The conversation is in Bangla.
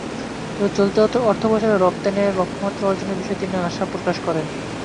তবে চলতি অর্থবছর রপ্তানি আয়ের লক্ষ্যমাত্রা অর্জনের বিষয়ে তিনি আশা প্রকাশ করেন।